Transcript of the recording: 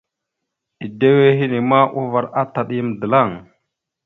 Edewa henne ma uvar ataɗ yam dəlaŋ.